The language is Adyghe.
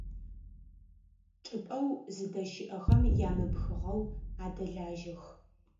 Чӏыпӏэу зыдэщыӏэхэм ямыпхыгъэу адэлажьэх.